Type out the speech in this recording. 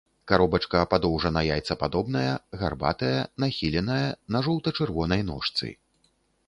Каробачка падоўжана-яйцападобная, гарбатая, нахіленая, на жоўта-чырвонай ножцы.